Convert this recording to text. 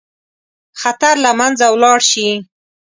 خطر له منځه ولاړ شي.